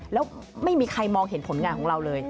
แล้วไม่มีใครมองเห็นผลงานของเราเลย